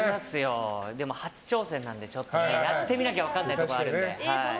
でも、初挑戦なのでやってみなきゃ分からないところあるんで。